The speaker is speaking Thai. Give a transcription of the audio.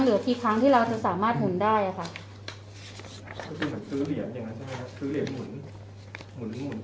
เหลือกี่ครั้งที่เราจะสามารถหุ่นได้อ่ะค่ะก็คือเหมือนซื้อเหรียญอย่างนั้นใช่ไหมครับ